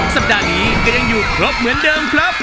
สัปดาห์นี้ก็ยังอยู่ครบเหมือนเดิมครับ